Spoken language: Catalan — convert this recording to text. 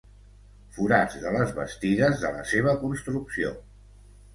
Forats de les bastides de la seva construcció.